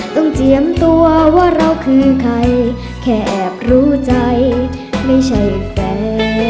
เจียมตัวว่าเราคือใครแค่แอบรู้ใจไม่ใช่แฟน